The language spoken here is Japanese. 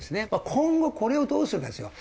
今後これをどうするかですよ。